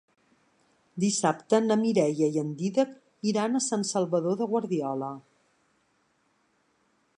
Dissabte na Mireia i en Dídac iran a Sant Salvador de Guardiola.